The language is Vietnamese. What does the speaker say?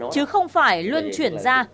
chứ không phải luân chuyển ra